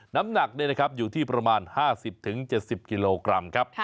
น้ำหนักอยู่ที่ประมาณ๕๐๗๐กิโลกรัมครับ